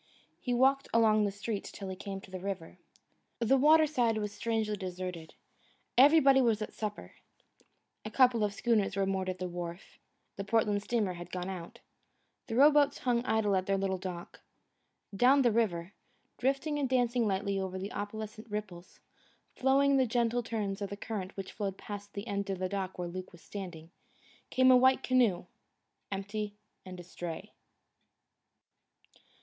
He walked along the street till he came to the river. The water side was strangely deserted. Everybody was at supper. A couple of schooners were moored at the wharf. The Portland steamer had gone out. The row boats hung idle at their little dock. Down the river, drifting and dancing lightly over the opalescent ripples, following the gentle turns of the current which flowed past the end of the dock where Luke was standing, came a white canoe, empty and astray.